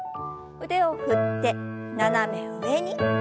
腕を振って斜め上に。